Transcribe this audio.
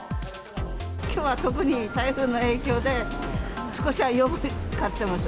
きょうは特に台風の影響で、少しは余分に買ってます。